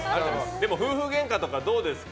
でも夫婦げんかとかどうですか？